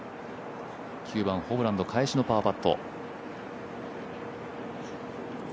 ９番ホブランド、返しのパーパット。